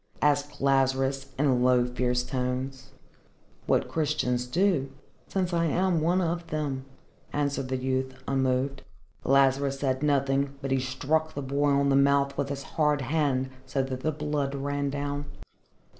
asked Lazarus in low fierce tones. "What Christians do, since I am one of them," answered the youth, unmoved. Lazarus said nothing, but he struck the boy on the mouth with his hard hand so that the blood ran down.